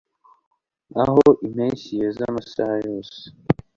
Aho impeshyi yeze amasaha yose